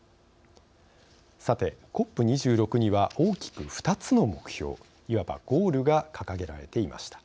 さて、ＣＯＰ２６には大きく２つの目標、いわばゴールが掲げられていました。